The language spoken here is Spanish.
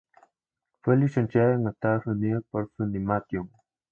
Fue licenciada en Estados Unidos por Funimation.